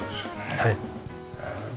はい。